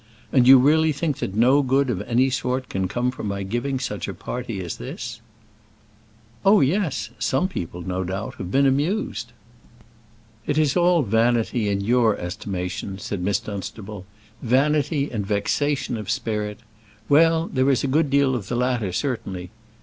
"And you really think that no good of any sort can come from my giving such a party as this?" "Oh, yes; some people, no doubt, have been amused." "It is all vanity in your estimation," said Miss Dunstable; "vanity and vexation of spirit. Well; there is a good deal of the latter, certainly.